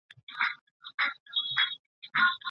د سالډانې درملنه څنګه کیږي؟